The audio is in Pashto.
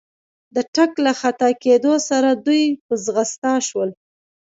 د ټک له خطا کېدو سره دوی په ځغستا شول.